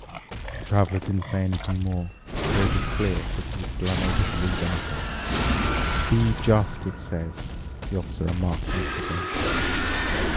The Traveler didn't say anything more, but it was clear that he was still unable to read anything. " 'Be just!' it says," the Officer remarked once again.